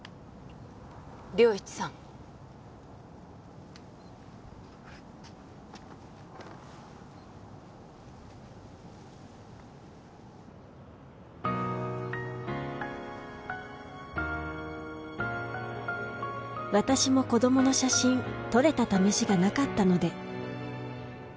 良一さん「私も子供の写真撮れたためしがなかったので」